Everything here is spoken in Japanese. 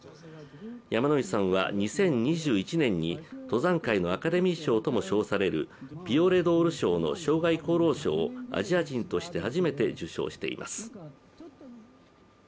山野井さんは２０２１年に登山界のアカデミー賞とも称されるピオレ・ドール賞の生涯功労賞をアジア人として初めて受賞しています。